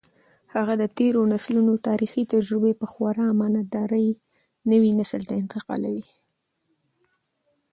هغه د تېرو نسلونو تاریخي تجربې په خورا امانتدارۍ نوي نسل ته انتقالوي.